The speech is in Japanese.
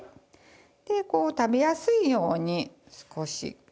でこう食べやすいように少し。